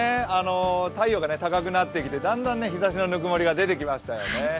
太陽が高くなってきてだんだん日ざしのぬくもりが出てきましたよね。